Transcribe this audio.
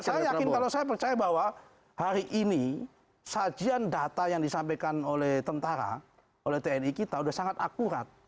saya yakin kalau saya percaya bahwa hari ini sajian data yang disampaikan oleh tentara oleh tni kita sudah sangat akurat